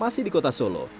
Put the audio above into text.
masih di kota solo